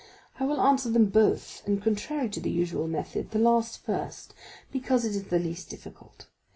I will answer them both, and contrary to the usual method, the last first, because it is the least difficult.